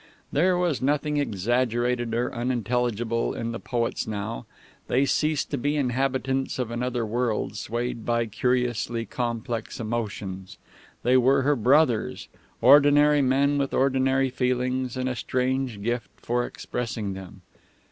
There was nothing exaggerated or unintelligible in the poets now. They ceased to be inhabitants of another world, swayed by curiously complex emotions. They were her brothers ordinary men with ordinary feelings and a strange gift for expressing them.